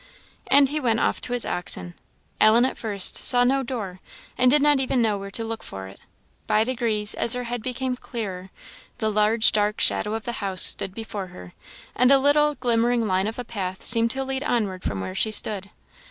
And he went off to his oxen. Ellen at first saw no door, and did not even know where to look for it; by degrees, as her head became clearer, the large dark shadow of the house stood before her, and a little glimmering line of a path seemed to lead onward from where she stood.